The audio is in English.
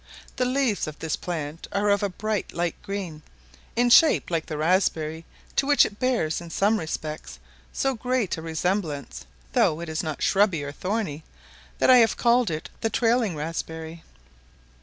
The leaves of this plant are of a bright light green, in shape like the raspberry, to which it bears in some respects so great a resemblance (though it is not shrubby or thorny) that I have called it the "trailing raspberry."